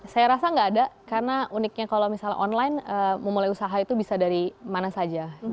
saya rasa nggak ada karena uniknya kalau misalnya online memulai usaha itu bisa dari mana saja